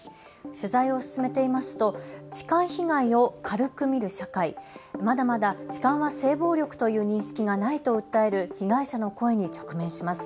取材を進めていますと痴漢被害を軽く見る社会、まだまだ痴漢は性暴力という認識がないと訴える被害者の声に直面します。